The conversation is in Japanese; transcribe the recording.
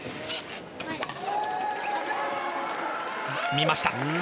見ました。